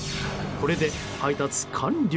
これで配達完了。